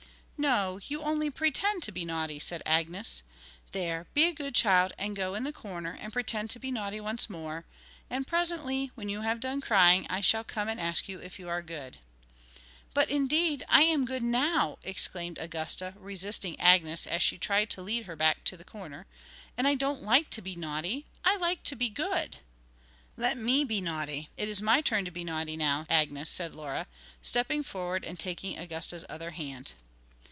'No, you only pretend to be naughty,' said Agnes. 'There, be a good child, and go in the corner, and pretend to be naughty once more, and presently, when you have done crying, I shall come and ask you if you are good.' 'But, indeed, I am good now!' exclaimed Augusta, resisting Agnes as she tried to lead her back to the corner. And I don't like to be naughty! I like to be good!' 'Let me be naughty; it is my turn to be naughty now, Agnes,' said Laura, stepping forwards and taking Augusta's other hand.